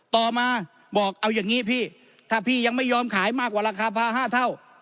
ต่อมาบอกเอาอย่างนี้พี่ถ้าพี่ยังไม่ยอมขายมากกว่าราคาพา๕เท่า